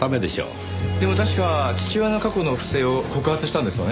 でも確か父親の過去の不正を告発したんですよね？